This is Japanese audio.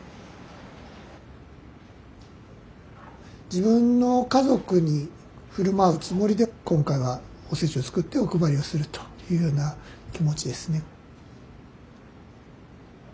自分の家族に振る舞うつもりで今回はおせちを作ってお配りをするというような気持ちですね。